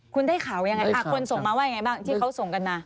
คุณได้ข่าวยังไงคนส่งมาว่ายังไงบ้างที่เขาส่งกันมา